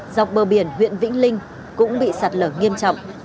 dọc bờ biển huyện vĩnh linh cũng bị sạt lở nghiêm trọng